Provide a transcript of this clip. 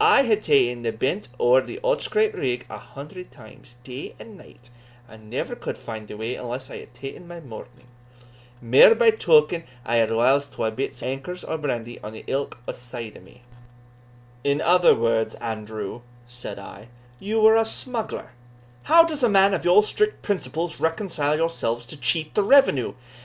I hae taen the bent ower the Otterscrape rigg a hundred times, day and night, and never could find the way unless I had taen my morning; mair by token that I had whiles twa bits o' ankers o' brandy on ilk side o' me." "In other words, Andrew," said I, "you were a smuggler how does a man of your strict principles reconcile yourself to cheat the revenue?"